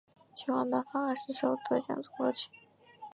全晚颁发二十首得奖歌曲。